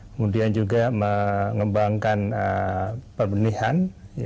kemudian juga mengembangkan perbenihan